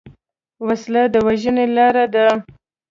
وسله د وژنې لاره ده